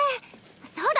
そうだ。